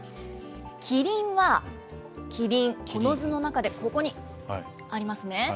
キリンは、キリン、この図の中でここにありますね。